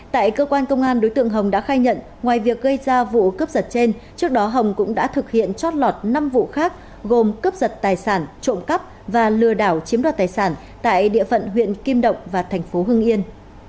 tại cơ quan công an đối tượng hồng đã khai nhận ngoài việc gây ra vụ cướp giật trên trước đó hồng cũng đã thực hiện trót lọt năm vụ khác gồm cướp giật tài sản trộm cắp và lừa đảo chiếm đoạt tài sản tại địa phận huyện kim động và thành phố hưng yên